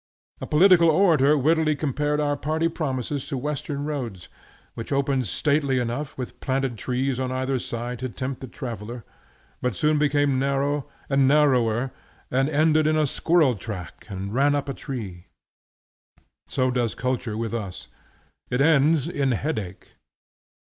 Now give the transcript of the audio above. A political orator wittily compared our party promises to western roads, which opened stately enough, with planted trees on either side to tempt the traveller, but soon became narrow and narrower and ended in a squirrel track and ran up a tree. So does culture with us; it ends in headache.